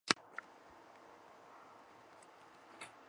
塞尔梅里厄。